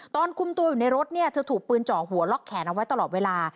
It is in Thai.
ตอนคุมตัวอยู่ในรถเนี่ยเธอถูกปืนเจาะหัวล็อกแขนเอาไว้ตลอดเวลา